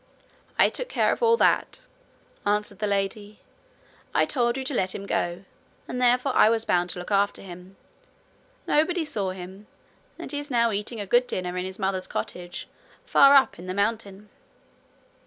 'I took care of all that,' answered the lady. 'I told you to let him go, and therefore I was bound to look after him. Nobody saw him, and he is now eating a good dinner in his mother's cottage far up in the mountain.'